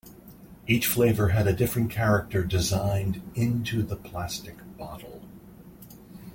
Each flavor had a different character designed into the plastic bottle.